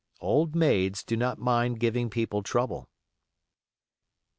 Old maids do not mind giving people trouble.